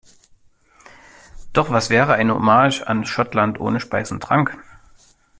Doch was wäre eine Hommage an Schottland ohne Speis und Trank?!